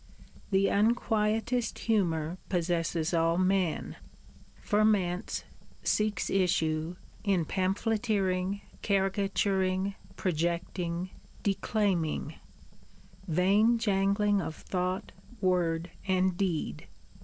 The unquietest humour possesses all men; ferments, seeks issue, in pamphleteering, caricaturing, projecting, declaiming; vain jangling of thought, word and deed.